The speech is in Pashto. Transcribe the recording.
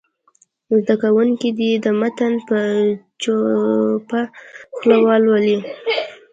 زده کوونکي دې متن په چوپه خوله ولولي.